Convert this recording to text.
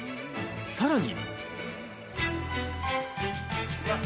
さらに。